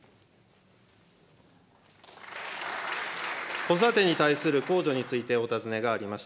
子育てに対するこうじょについてお尋ねがありました。